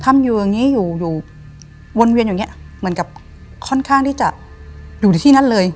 ทำอยู่อย่างงี้อยู่อยู่วนเวียนอย่างนี้เหมือนกับค่อนข้างที่จะอยู่ในที่นั้นเลย